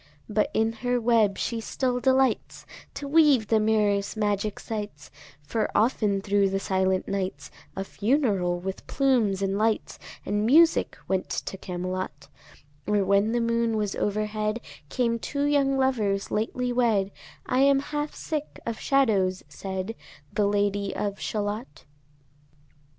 But in her web she still delights To weave the mirror's magic sights, For often thro' the silent nights A funeral, with plumes and lights And music, went to Camelot: Or when the moon was overhead, Came two young lovers lately wed; "I am half sick of shadows," said The Lady of Shalott.